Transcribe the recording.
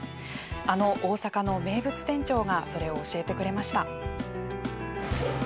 あの大阪の名物店長がそれを教えてくれました。